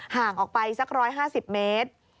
ห่างออกไปสัก๑๕๐เมตร